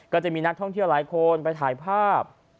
ก็จะมีนักท่องเที่ยวหลายคนไปถ่ายภาพ